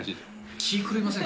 気狂いません？